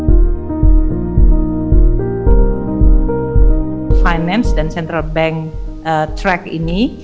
dan yang terakhir adalah perusahaan yang diperlukan oleh bank negeri indonesia dan central bank track ini